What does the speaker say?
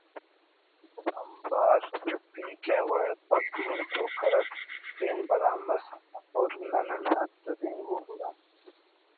آنبار چُپّی کہ وڑپک نے تو کرک پین برام اس ہر نن نا تدینگو گڑا